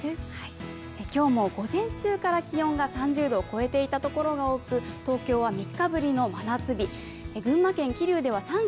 今日も午前中から気温が３０度を超えていたところも多く、東京は３日ぶりの猛暑日。